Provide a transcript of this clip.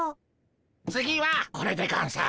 次はこれでゴンス。